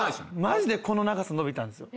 マジでこの長さ伸びたんですよ。